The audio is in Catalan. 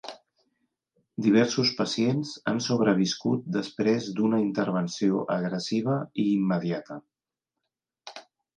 Diversos pacients han sobreviscut després d'una intervenció agressiva i immediata.